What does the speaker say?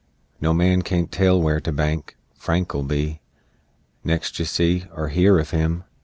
No man can't tell where to bank Frank'll be, Next you see Er hear of him!